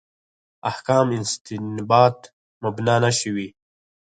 احکام استنباط مبنا نه شوي.